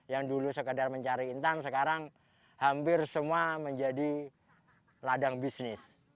yang dulu sekedar mencari intan sekarang hampir semua menjadi ladang bisnis